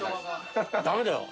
ダメだよ。